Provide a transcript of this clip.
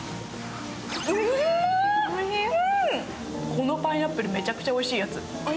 このパイナップル、めちゃくちゃおいしいやつ。